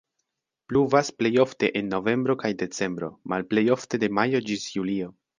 Pluvas plej ofte en novembro kaj decembro, malplej ofte de majo ĝis julio.